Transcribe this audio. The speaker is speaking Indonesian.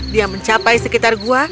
dia mencapai sekitar gua